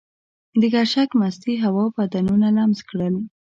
د ګرشک مستې هوا بدنونه لمس کړل.